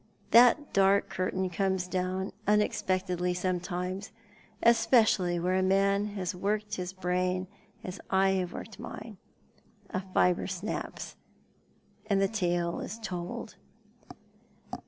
That dark curtain comes down unexpectedly sometimes, especially where a man has worked hia brain as I have worked mine. A fibre snaps, and the tale is told."